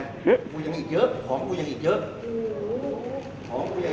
มันเป็นสิ่งที่เราไม่รู้สึกว่า